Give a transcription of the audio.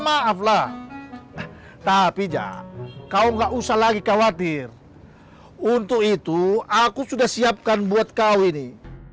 maaflah tapi jak kau nggak usah lagi khawatir untuk itu aku sudah siapkan buat kau ini